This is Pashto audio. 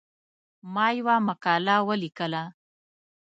ما یوه مقاله ولیکله.